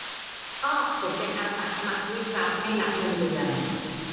อ้อ ผมเป็นอาสาสมัครด้วยครับ ไม่รับเงินเดือน